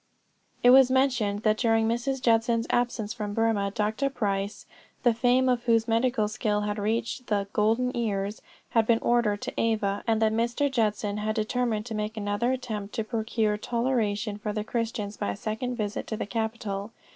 It was mentioned that during Mrs. Judson's absence from Burmah, Dr. Price, the fame of whose medical skill had reached the 'golden ears,' had been ordered to Ava, and that Mr. Judson had determined to make another attempt to procure toleration for the Christians by a second visit to the capital.